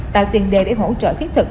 tạo tiền đề để hỗ trợ thiết thực